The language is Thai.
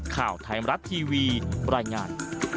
ข่าวไทยมรัฐทีวีรายงาน